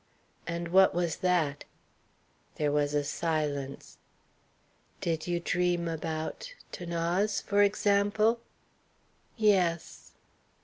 "And what was that?" There was a silence. "Did you dream about 'Thanase, for example?" "Yes."